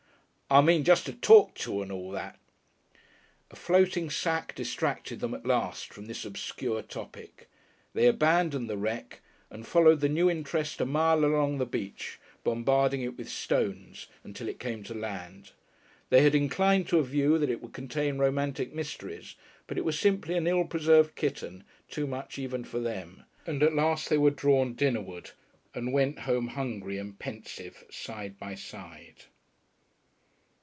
"I mean just to talk to and all that...." A floating object distracted them at last from this obscure topic. They abandoned the wreck and followed the new interest a mile along the beach, bombarding it with stones until it came to land. They had inclined to a view that it would contain romantic mysteries, but it was simply an ill preserved kitten too much even for them. And at last they were drawn dinnerward and went home hungry and pensive side by side.